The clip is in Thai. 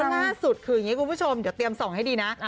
ล่าสุดคืออย่างนี้คุณผู้ชมเดี๋ยวเตรียมส่องให้ดีนะ